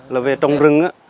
là về trồng rừng